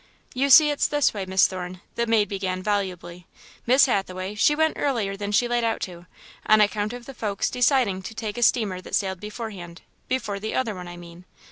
"You see it's this way, Miss Thorne," the maid began, volubly; "Miss Hathaway, she went earlier than she laid out to, on account of the folks decidin' to take a steamer that sailed beforehand before the other one, I mean.